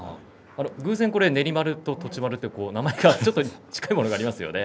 偶然、ねり丸と栃丸名前が近いものがありますよね。